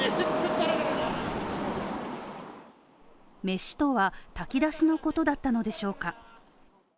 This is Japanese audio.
メシとは、炊き出しのことだったのでしょうか。